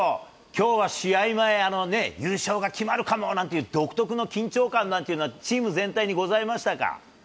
きょうは試合前、優勝が決まるかもなんていう、独特の緊張感なんていうのは、チーム全体にございましたか？